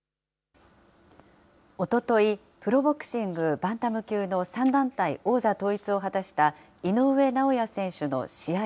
おととい、プロボクシングバンタム級の３団体王座統一を果たした井上尚弥選手の試合